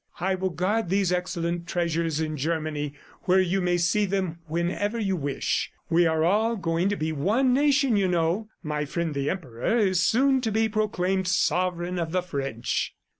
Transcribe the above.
I will guard these excellent treasures in Germany where you may see them whenever you wish. We are all going to be one nation, you know. ... My friend, the Emperor, is soon to be proclaimed sovereign of the French."